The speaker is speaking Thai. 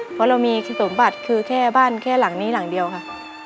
เพราะเรามีสมบัติคือแค่บ้านแค่หลังนี้หลังเดียวค่ะ